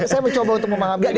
saya mau coba untuk memahami